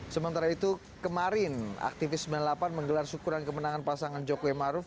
sementara itu kemarin aktivis sembilan puluh delapan menggelar syukuran kemenangan pasangan jokowi maruf